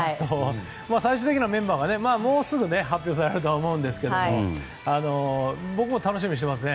最終的にはメンバーがもうすぐ発表されると思いますが僕も楽しみにしていますね。